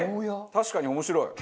確かに面白い。